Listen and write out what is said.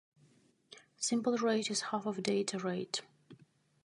Symbol rate is half of data rate.